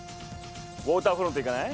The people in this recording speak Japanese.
ウォーターフロント行かない？